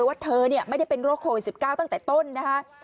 ว่าเธอไม่ได้เป็นโรคโควิด๑๙ตั้งแต่ต้นนะคะ